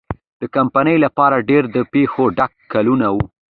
د کمپنۍ لپاره ډېر د پېښو ډک کلونه وو.